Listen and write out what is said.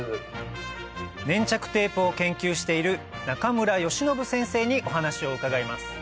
粘着テープを研究している中村伸先生にお話を伺います